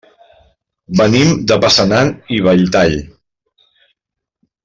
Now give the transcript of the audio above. Venim de Passanant i Belltall.